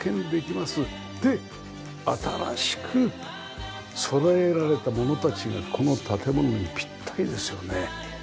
で新しくそろえられたものたちがこの建物にピッタリですよね。